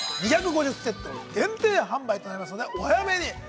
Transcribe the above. ２５０セットの限定販売となりますので、お早めに。